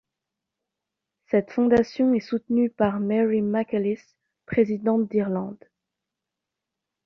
Cette fondation est soutenu par Mary McAleese, présidente d'Irlande.